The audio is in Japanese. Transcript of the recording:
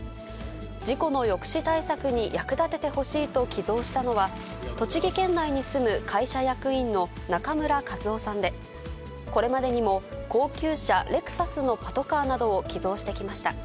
事故の抑止対策に役立ててほしいと寄贈したのは、栃木県内に住む会社役員の中村和男さんで、これまでにも高級車、レクサスのパトカーなどを寄贈してきました。